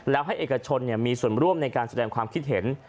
แล้วให้เอกชนมีส่วนร่วมในการแสดงความคิดเห็น